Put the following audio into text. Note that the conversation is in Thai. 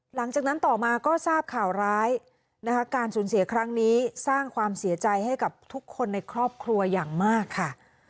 หลังจากนั้นต่อมาก็ทราบข่าวร้ายนะคะการสูญเสียครั้งนี้สร้างความเสียใจให้กับทุกคนในครอบครัวอย่างมากค่ะ